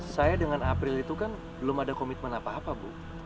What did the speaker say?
saya dengan april itu kan belum ada komitmen apa apa bu